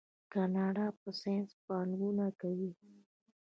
کاناډا په ساینس پانګونه کوي.